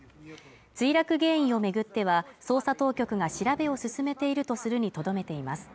墜落原因をめぐっては捜査当局が調べを進めているとするにとどめています